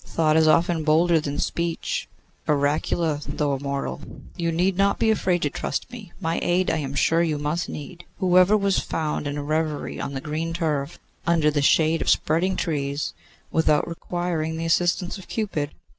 'Thought is often bolder than speech.' 'Oracular, though a mortal! You need not be afraid to trust me. My aid I am sure you must need. Who ever was found in a reverie on the green turf, under the shade of spreading trees, without requiring the assistance of Cupid?